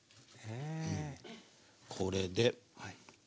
これで。